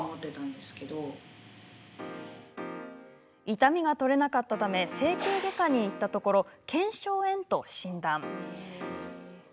痛みが取れなかったため整形外科に行ったところ腱鞘炎と診断。